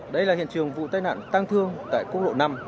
đây là hiện trường vụ tai nạn tang thương tại quốc lộ năm